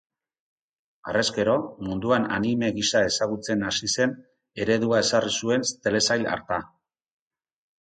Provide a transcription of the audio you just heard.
Harrezkero, munduan anime gisa ezagutzen hasi zen eredua ezarri zuen telesail harta.